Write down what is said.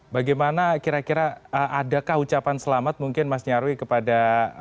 bagaimana kira kira adakah ucapan selamat mungkin mas nyarwi kepada